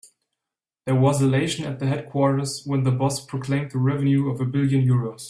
There was elation at the headquarters when the boss proclaimed the revenue of a billion euros.